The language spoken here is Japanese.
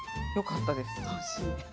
よかったです。